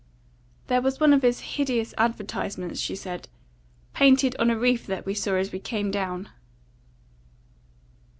"There was one of his hideous advertisements," she said, "painted on a reef that we saw as we came down."